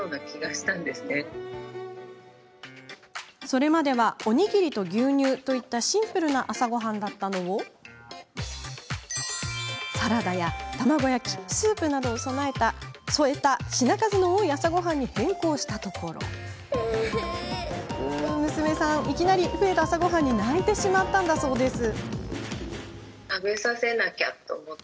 それまではおにぎりと牛乳といったシンプルな朝ごはんだったのをサラダや卵焼きスープなどを添えた品数の多い朝ごはんに変更したところいきなり増えた朝ごはんに泣いてしまったそうです。